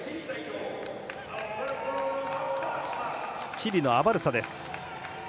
チリのアバルサです。